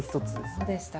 そうでしたか。